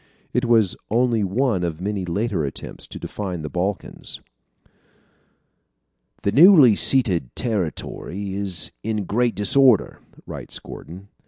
It was only one of many later attempts to define the Balkans. "The newly ceded territory is in great disorder," writes Gordon.